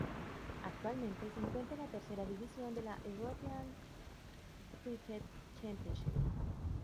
Actualmente se encuentra en la tercera división de la "European Cricket Championship".